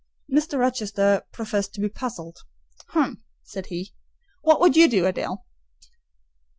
Mr. Rochester professed to be puzzled. "Hem!" said he. "What would you do, Adèle?